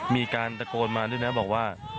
มีการตะโกนมาด้วยนะบอกว่า